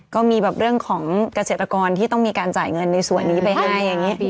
ก็มีแบบเรื่องของเกษตรกรที่ต้องมีการจ่ายเงินในส่วนนี้ไปให้อย่างนี้